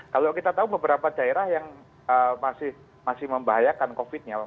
kalau kita tahu beberapa daerah yang masih membahayakan covid nya